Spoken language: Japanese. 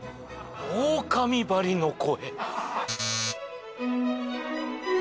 オオカミばりの声。